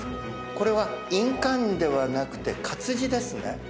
これは印鑑ではなくて活字ですね。